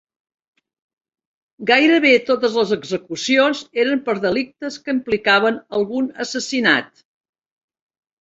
Gairebé totes les execucions eren per delictes que implicaven algun assassinat.